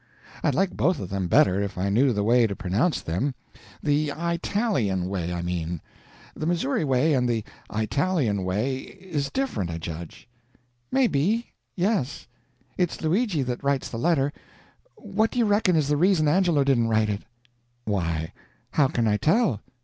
I'd like both of them better if I knew the way to pronounce them the Eyetalian way, I mean. The Missouri way and the Eyetalian way is different, I judge." "Maybe yes. It's Luigi that writes the letter. What do you reckon is the reason Angelo didn't write it?" "Why, how can I tell?